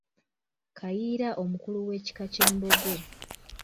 Kayiira omukulu w’ekika ky’Embogo.